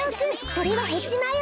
それはヘチマよ！